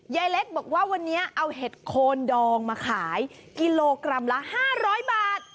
ยายเล็กบอกว่าวันนี้เอาเห็ดโคนดองมาขายกิโลกรัมละ๕๐๐บาท